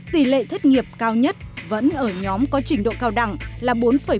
tỷ lệ thất nghiệp cao nhất vẫn ở nhóm có trình độ cao đẳng là bốn một mươi